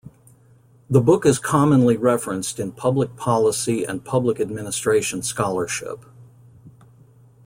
The book is commonly referenced in public policy and public administration scholarship.